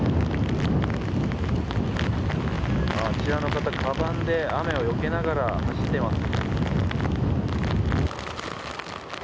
あちらの方、かばんで雨をよけながら走っています。